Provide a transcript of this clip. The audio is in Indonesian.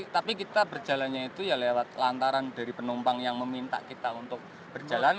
tapi kita berjalannya itu ya lewat lantaran dari penumpang yang meminta kita untuk berjalan